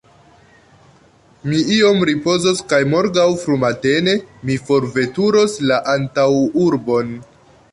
Mi iom ripozos kaj morgaŭ frumatene mi forveturos la antaŭurbon.